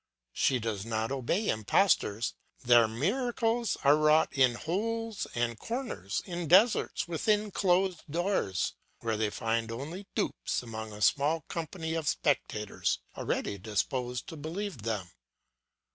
She does not obey impostors, their miracles are wrought in holes and corners, in deserts, within closed doors, where they find easy dupes among a small company of spectators already disposed to believe them.